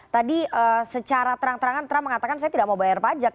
tadi secara terang terangan trump mengatakan saya tidak mau bayar pajak